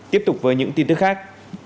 tiếp tục với những tin tức khác